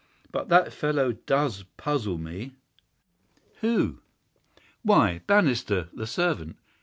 But that fellow DOES puzzle me." "Who?" "Why, Bannister, the servant.